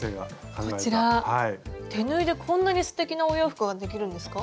手縫いでこんなにすてきなお洋服ができるんですか？